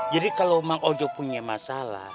jadi kalo mang ojo punya masalah